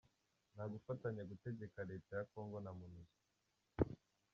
Nta gufatanya gutegeka Leta ya Congo na Monusco.